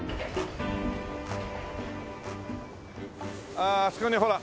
あああそこにほら。